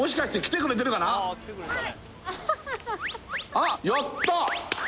あやった！